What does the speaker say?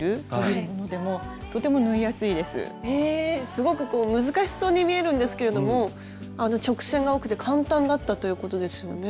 すごくこう難しそうに見えるんですけれども直線が多くて簡単だったということですよね？